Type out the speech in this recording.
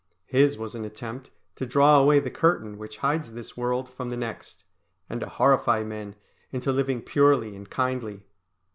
His was an attempt to draw away the curtain which hides this world from the next, and to horrify men into living purely and kindly.